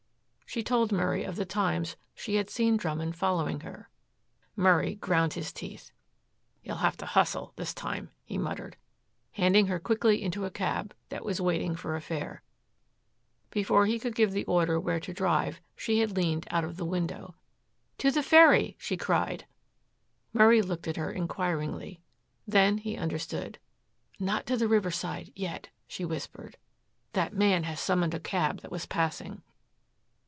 She told Murray of the times she had seen Drummond following her. Murray ground his teeth. "He'll have to hustle this time," he muttered, handing her quickly into a cab that was waiting for a fare. Before he could give the order where to drive she had leaned out of the window, "To the ferry," she cried. Murray looked at her inquiringly. Then he understood. "Not to the Riverside yet," she whispered. "That man has just summoned a cab that was passing."